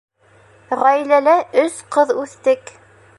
Ғаиләлә өс ҡыҙ үҫтек.